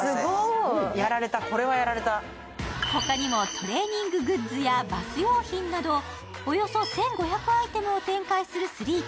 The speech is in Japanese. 他にもトレーニンググッズやバス用品などおよそ１５００アイテムを展開するＴＨＲＥＥＰＰＹ。